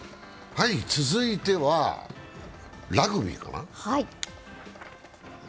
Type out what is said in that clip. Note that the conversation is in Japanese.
続いては、ラグビーかな。